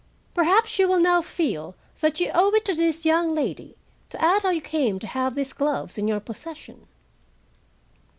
"Perhaps you will now feel that you owe it to this young lady to add how you came to have these gloves in your possession?"